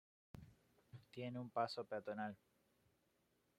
Tiene un paso peatonal.